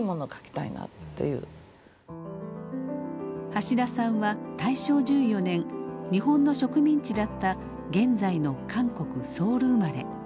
橋田さんは大正１４年日本の植民地だった現在の韓国・ソウル生まれ。